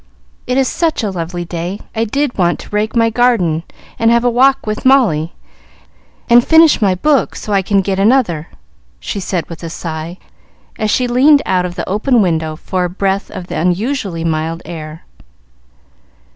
"It is such a lovely day, I did want to rake my garden, and have a walk with Molly, and finish my book so I can get another," she said with a sigh, as she leaned out of the open window for a breath of the unusually mild air.